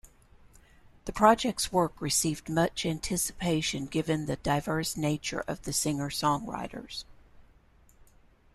The project's work received much anticipation given the diverse nature of the singer-songwriters.